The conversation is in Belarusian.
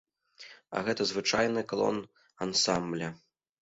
А гэта звычайны клон ансамбля.